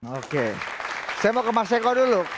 oke saya mau ke mas eko dulu